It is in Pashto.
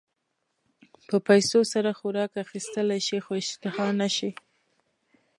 په پیسو سره خوراک اخيستلی شې خو اشتها نه شې.